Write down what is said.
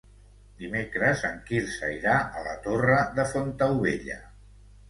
Dimecres en Quirze irà a la Torre de Fontaubella.